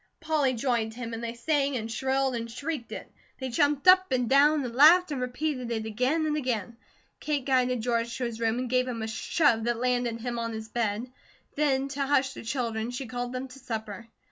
Polly joined him, and they sang and shrilled, and shrieked it; they jumped up and down and laughed and repeated it again and again. Kate guided George to his room and gave him a shove that landed him on his bed. Then to hush the children she called them to supper.